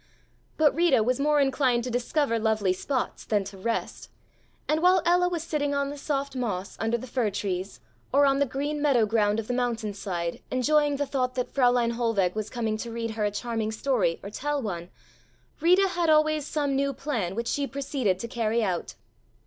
But Rita was more inclined to discover lovely spots than to rest, and while Ella was sitting on the soft moss under the fir trees or on the green meadow ground of the mountain side enjoying the thought that Fräulein Hohlweg was coming to read her a charming story or tell one, Rita had always some new plan which she proceeded to carry out.